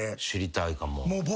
知りたいかも。